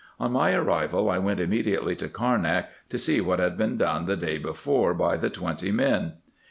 On my arrival, I went immediately to Carnak, to see what had been done the day before by the twenty men.